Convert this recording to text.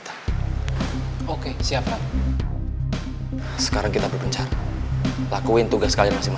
tuhan beu tuhan ready